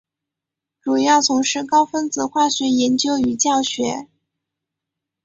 主要从事高分子化学研究与教学。